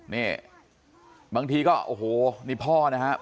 นี่บางทีก็โอ้โหนี่พ่อนะครับ